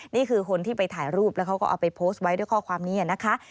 นี่คือคนที่ไปถ่ายรูปแล้วเขาก็เอาไปโพสต์ไว้ด้วยข้อความนี้นะคะ